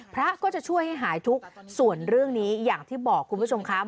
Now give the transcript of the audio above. พระก็จะช่วยให้หายทุกข์ส่วนเรื่องนี้อย่างที่บอกคุณผู้ชมครับ